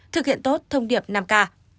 thực hiện tốt thông điệp năm k